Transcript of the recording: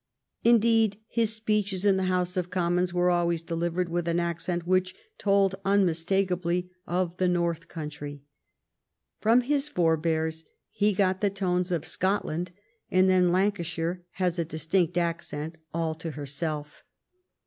Indeed, his speeches in the House of Commons were always delivered with an accent which told un mistakably of the " North Countree." From his forbears he got the tones of Scotland; and then Lancashire has a distinct accent all to herself.